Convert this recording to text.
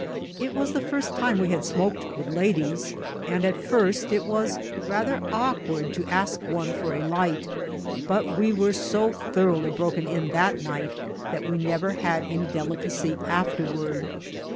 It was the first time we had smoked with ladies, and, at first, it was rather awkward to ask one for a light ; but we were so thoroughly broken in that night that we never had any delicacy afterward.